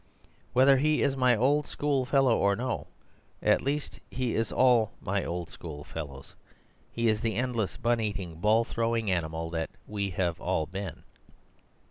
Whether he is my old schoolfellow or no, at least he is all my old schoolfellows. He is the endless bun eating, ball throwing animal that we have all been."